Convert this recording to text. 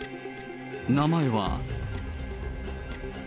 名前は。